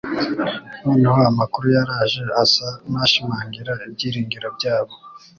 Noneho amakuru yaraje asa n’ashimangira ibyiringiro byabo.